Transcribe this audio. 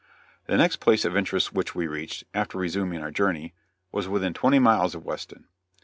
The next place of interest which we reached, after resuming our journey, was within twenty miles of Weston.